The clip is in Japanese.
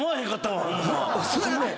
そうやねん。